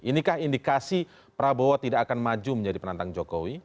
inikah indikasi prabowo tidak akan maju menjadi penantang jokowi